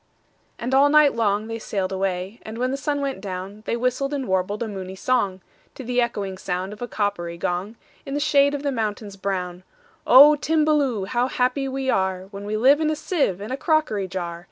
And all night long they sail'd away; And, when the sun went down, They whistled and warbled a moony songTo the echoing sound of a coppery gong, In the shade of the mountains brown,"O Timballoo! how happy we areWhen we live in a sieve and a crockery jar!